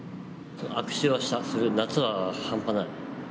悪臭はする、夏は半端ない。